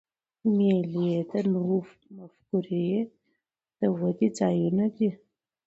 مېلې د نوو مفکورې د ودي ځایونه دي.